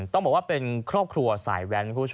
ต้องบอกว่าเป็นครอบครัวสายแวน